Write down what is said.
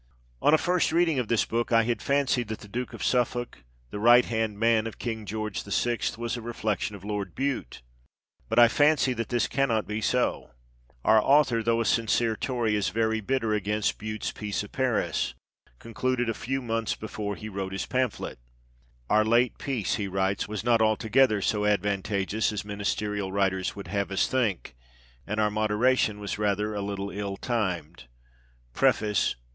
On a first reading of this book I had fancied that the Duke of Suffolk, the right hand man of King George VI., was a reflection of Lord Bute. But I fancy that this cannot be so : our author, though a sincere Tory, is very bitter against Bute's Peace of Paris, concluded a few months before he wrote his pamphlet :" our late peace," he writes, " was not altogetJier so advantageous as minis terial writers would have us think, and our moderation was rather a little ill timed" (Preface, p.